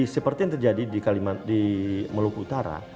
seperti yang terjadi di meluku utara